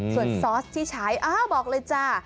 ส่วนซอสที่ใช้อ้าวบอกเลยจ้า